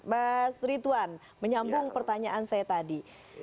mas rituan menyambung pertanyaan saya tadi